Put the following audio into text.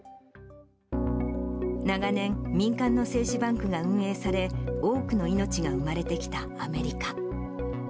長年、民間の精子バンクが運営され、多くの命が生まれてきたアメリカ。